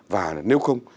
và nếu không